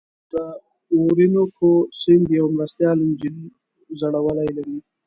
د اورینوکو سیند یوه مرستیال انجیل ځړوی لري.